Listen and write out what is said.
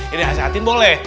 ini dihasiatin boleh